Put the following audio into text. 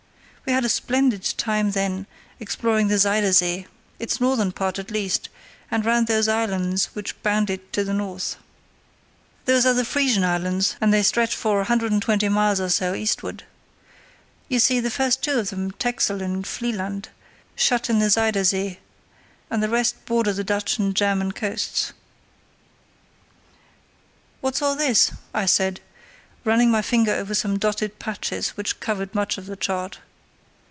"We had a splendid time then exploring the Zuyder Zee, its northern part at least, and round those islands which bound it on the north. Those are the Frisian Islands, and they stretch for 120 miles or so eastward. You see, the first two of them, Texel and Vlieland, shut in the Zuyder Zee, and the rest border the Dutch and German coasts." [See Map A] "What's all this?" I said, running my finger over some dotted patches which covered much of the chart.